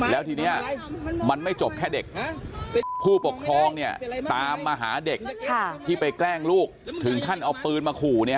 แล้วทีนี้มันไม่จบแค่เด็กผู้ปกครองเนี่ยตามมาหาเด็กที่ไปแกล้งลูกถึงขั้นเอาปืนมาขู่เนี่ย